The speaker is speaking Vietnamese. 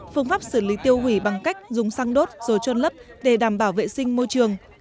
phương pháp xử lý tiêu hủy bằng cách dùng xăng đốt rồi trôn lấp để đảm bảo vệ sinh môi trường